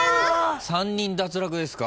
３人脱落ですか。